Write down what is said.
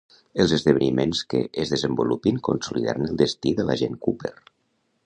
Els esdeveniments que es desenvolupin consolidaran el destí de l'agent Cooper.